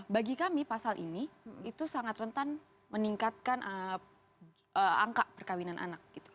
bagi kami pasal ini itu sangat rentan meningkatkan angka perkawinan anak